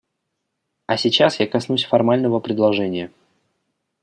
А сейчас я коснусь формального предложения.